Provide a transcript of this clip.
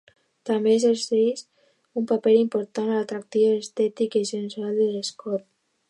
També exerceix un paper important en l'atractiu estètic i sensual de l'escot.